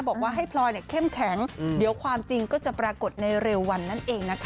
บอกว่าให้พลอยเข้มแข็งเดี๋ยวความจริงก็จะปรากฏในเร็ววันนั่นเองนะคะ